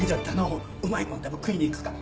うまいもんでも食いに行くか。